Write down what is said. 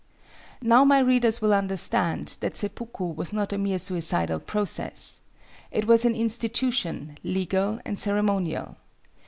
Now my readers will understand that seppuku was not a mere suicidal process. It was an institution, legal and ceremonial.